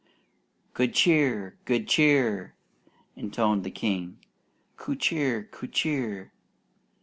"Good Cheer! Good Cheer!" intoned the king. "Coo Cher! Coo Cher!"